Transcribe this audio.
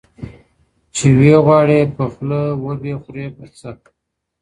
چي وې غواړې په خوله، و بې خورې په څه؟